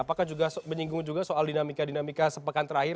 apakah juga menyinggung juga soal dinamika dinamika sepekan terakhir